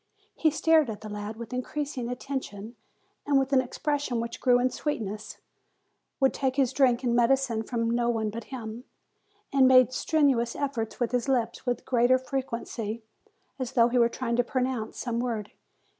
He stared at the lad with in creasing attention, and, with an expression which grew in sweetness, would take his drink and medicine from no one but him, and made strenuous efforts with his lips with greater frequency, as though he were trying to pronounce some word.